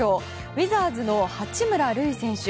ウィザーズの八村塁選手。